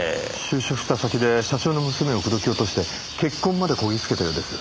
就職した先で社長の娘を口説き落として結婚まで漕ぎ着けたようです。